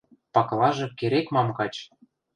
Пакылажы керек-мам кач.